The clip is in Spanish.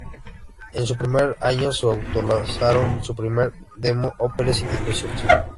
En su primer año, se auto-lanzaron su primer demo, "Hopeless Illusions".